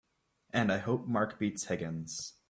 And I hope Mark beats Higgins!